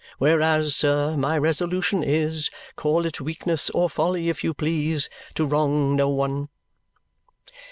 Whereas, sir, my resolution is (call it weakness or folly if you please) to wrong no one."